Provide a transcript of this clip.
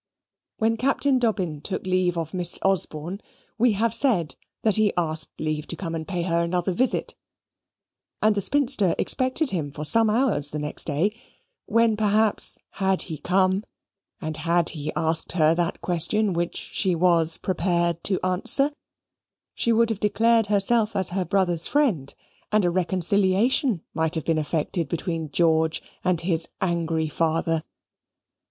When Captain Dobbin took leave of Miss Osborne we have said that he asked leave to come and pay her another visit, and the spinster expected him for some hours the next day, when, perhaps, had he come, and had he asked her that question which she was prepared to answer, she would have declared herself as her brother's friend, and a reconciliation might have been effected between George and his angry father.